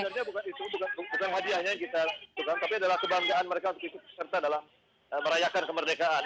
sebenarnya bukan hadiahnya yang kita tukang tapi adalah kebanggaan mereka untuk ikut serta dalam merayakan kemerdekaan